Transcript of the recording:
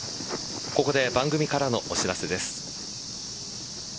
ここで番組からのお知らせです。